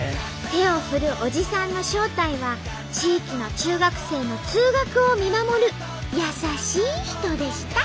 手を振るおじさんの正体は地域の中学生の通学を見守る優しい人でした。